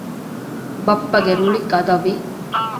ބައްޕަގެ ރުޅި ގަދަވި